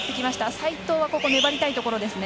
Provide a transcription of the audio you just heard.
齋藤は粘りたいところですね。